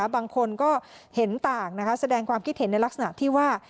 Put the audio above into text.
บางคนก็เห็นต่างแสดงความคิดเห็นในลักษณะที่ว่า